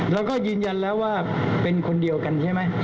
แล้วก็ยืนยันแล้วว่าเป็นคนเดียวกันใช่ไหม